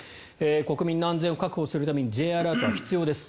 国民の安全を確保するためにＪアラートは必要です。